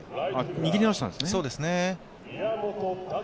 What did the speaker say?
握り直したんですね。